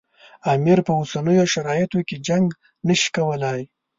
امیر په اوسنیو شرایطو کې جنګ نه شي کولای.